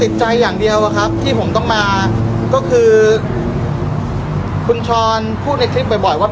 พี่แจงในประเด็นที่เกี่ยวข้องกับความผิดที่ถูกเกาหา